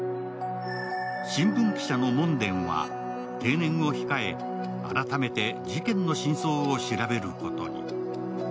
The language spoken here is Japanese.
新聞記者の門田は、定年を控え改めて事件の真相を調べることに。